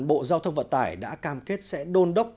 bộ giao thông vận tải đã cam kết sẽ đôn đốc